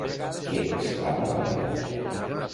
Què exclamava la Remei?